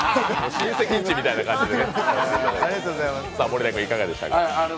親戚のうちみたいな感じで。